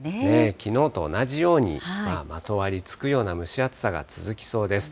きのうと同じようにまとわりつくような蒸し暑さが続きそうです。